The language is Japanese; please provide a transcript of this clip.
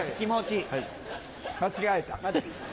間違えた。